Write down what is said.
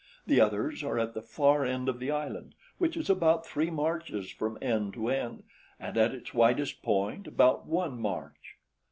The others are at the far end of the island, which is about three marches from end to end and at its widest point about one march."